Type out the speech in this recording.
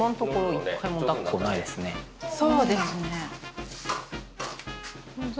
そうですね。